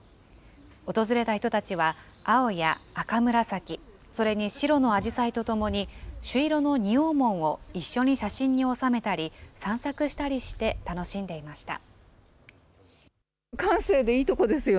訪れた人たちは、青や赤紫、それに白のアジサイとともに、朱色の仁王門を一緒に写真に収めたり、散策したりして楽しんでいました。